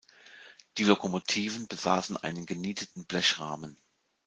Die Lokomotiven besaßen einen genieteten Blechrahmen.